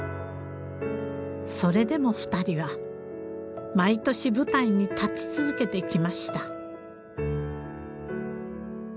それでも２人は毎年舞台に立ち続けてきました。